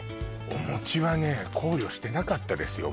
お餅はね考慮してなかったですよ